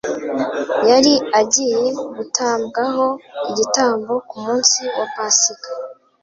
yari agiye gutambwaho igitambo ku munsi wa Pasika.